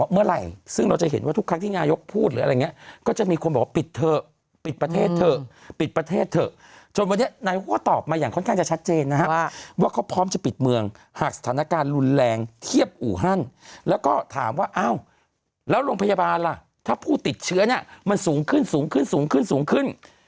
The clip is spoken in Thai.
เมื่อไหร่ซึ่งเราจะเห็นว่าทุกครั้งที่นายกพูดหรืออะไรอย่างนี้ก็จะมีคนบอกว่าปิดเถอะปิดประเทศเถอะปิดประเทศเถอะจนวันนี้นายกก็ตอบมาอย่างค่อนข้างจะชัดเจนนะฮะว่าเขาพร้อมจะปิดเมืองหากสถานการณ์รุนแรงเทียบอู่ฮั่นแล้วก็ถามว่าอ้าวแล้วโรงพยาบาลล่ะถ้าผู้ติดเชื้อเนี่ยมันสูงขึ้นสูงขึ้นสูงขึ้นสูงขึ้น